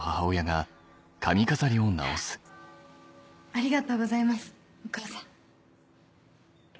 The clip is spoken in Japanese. ありがとうございますお母さん。